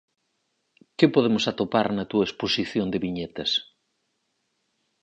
Que podemos atopar na túa exposición de Viñetas?